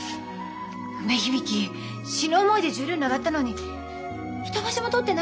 梅響死ぬ思いで十両に上がったのに一場所も取ってないのよ！？